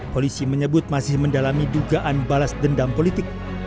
polisi menyebut masih mendalami dugaan balas dendam politik